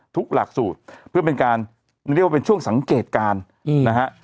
ทุกหลักสูตรเพื่อเป็นการเรียกว่าเป็นช่วงสังเกตการณ์นะฮะ